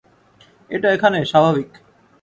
এটা এখানে স্বাভাবিক।